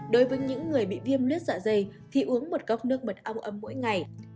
đối với những người bị viêm lết dạ dày thì uống một cốc nước mật ong ấm mỗi ngày